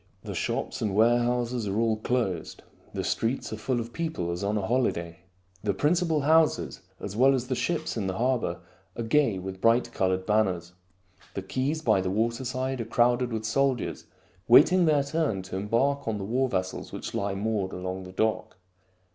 The shops and warehouses are all closed. The streets are full of people as on a holiday. The principal houses, as well as the ships in the harbor, are gay with bright colored banners. The quays by the waterside are crowded with soldiers waiting their turn to embark on the war vessels which lie moored along the dock.